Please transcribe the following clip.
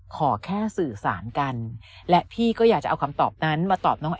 ขอแค่สื่อสารกันและพี่ก็อยากจะเอาคำตอบนั้นมาตอบน้อง